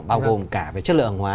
bao gồm cả về chất lượng hàng hóa